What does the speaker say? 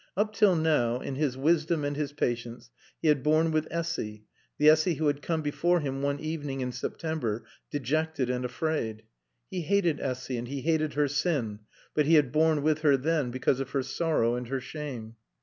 Up till now, in his wisdom and his patience, he had borne with Essy, the Essy who had come before him one evening in September, dejected and afraid. He hated Essy and he hated her sin, but he had borne with her then because of her sorrow and her shame.